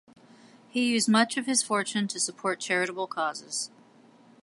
He used much of his fortune to support charitable causes.